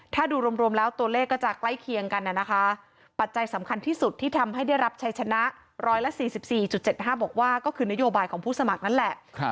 ถ้าดูรวมแล้วตัวเลขก็จะใกล้เคียงกันนะคะปัจจัยสำคัญที่สุดที่ทำให้ได้รับชัยชนะ๑๔๔๗๕บอกว่าก็คือนโยบายของผู้สมัครนั่นแหละ